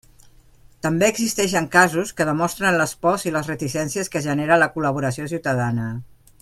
També existeixen casos que demostren les pors i les reticències que genera la col·laboració ciutadana.